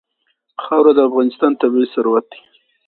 خاوره د افغانستان طبعي ثروت دی.